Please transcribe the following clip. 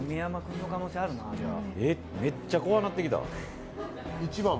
めっちゃこわなってきた。